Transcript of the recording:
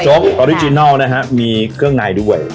ออริจินัลนะฮะมีเครื่องในด้วย